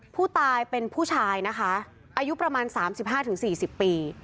ผู้ตายเป็นผู้ชายนะคะอายุประมาณ๓๕๔๐ปี